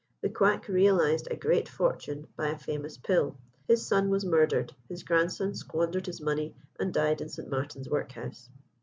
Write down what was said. The quack realised a great fortune by a famous pill. His son was murdered; his grandson squandered his money, and died in St. Martin's Workhouse.